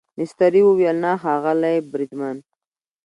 مستري وویل نه ښاغلی بریدمن.